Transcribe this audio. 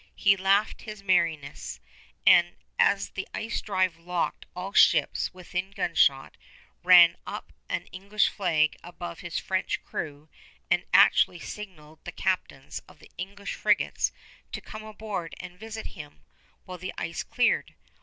He laughed his merriest, and as the ice drive locked all the ships within gunshot, ran up an English flag above his French crew and had actually signaled the captains of the English frigates to come aboard and visit him, when the ice cleared.